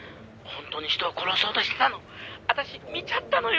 本当に人を殺そうとしてたの。